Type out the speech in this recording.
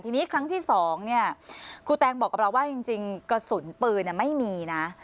ทีนี้ครั้งที่๒เนี่ยครูแตงบอกกับเราว่าจริงกระสุนปืนไม่มีนะ